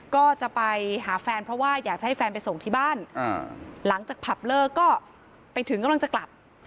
ก็จะไปหาแฟนเพราะว่าอยากจะให้แฟนไปส่งที่บ้านหลังจากผับเลิกก็ไปถึงกำลังจะกลับ